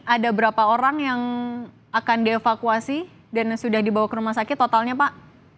ada berapa orang yang akan dievakuasi dan sudah dibawa ke rumah sakit totalnya pak